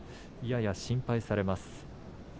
やや心配されます。